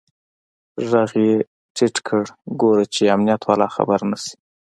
ږغ يې ټيټ کړ ګوره چې امنيت والا خبر نسي.